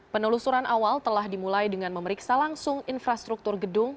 penelusuran awal telah dimulai dengan memeriksa langsung infrastruktur gedung